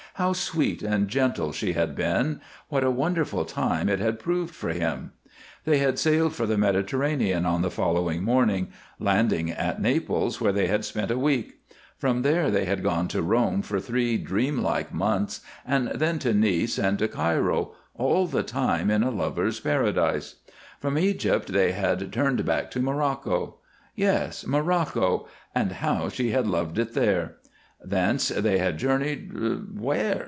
How sweet and gentle she had been, what a wonderful time it had proved for him. They had sailed for the Mediterranean on the following morning, landing at Naples, where they had spent a week. From there they had gone to Rome for three dreamlike months and then to Nice and to Cairo, all the time in a lovers' paradise. From Egypt they had turned back to Morocco. Yes, Morocco, and how she had loved it there. Thence they had journeyed where?